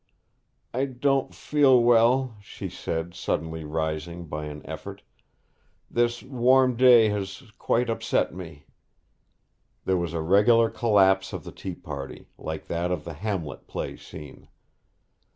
'I don't feel well,' she said, suddenly rising by an effort. 'This warm day has quite upset me!' There was a regular collapse of the tea party, like that of the Hamlet play scene.